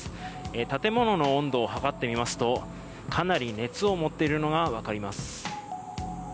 建物の温度を測ってみますとかなり熱を持っているのがわかります。